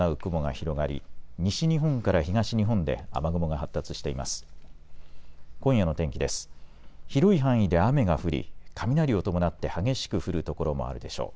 広い範囲で雨が降り雷を伴って激しく降る所もあるでしょう。